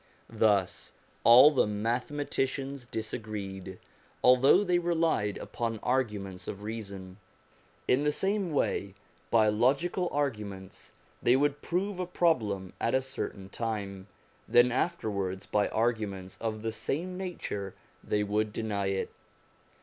Thus all the mathematicians disagreed, although they relied upon arguments of reason. In the same way, by logical arguments, they would prove a problem at a certain time, then after wards by arguments of the same nature they would deny it.